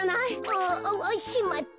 あわわしまった！